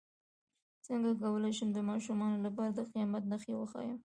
څنګه کولی شم د ماشومانو لپاره د قیامت نښې وښایم